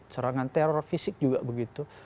serangan teror fisik juga begitu